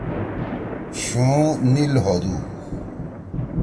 شُوں نیِل ہودُو۔